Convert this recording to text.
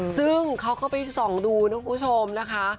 ซึ่งเขาก็ไปส่องดูนะคุณผู้ชมนะคะ